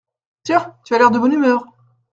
Tiens ! tu as l’air de bonne humeur !